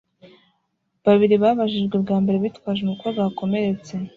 Babiri babajijwe bwa mbere bitwaje umukobwa wakomeretse